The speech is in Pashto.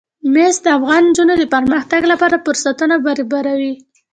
مس د افغان نجونو د پرمختګ لپاره فرصتونه برابروي.